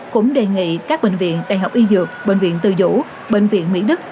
cũng đề nghị các bệnh viện đại học y dược bệnh viện từ dũ bệnh viện mỹ đức